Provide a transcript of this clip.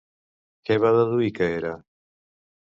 Què va deduir que era?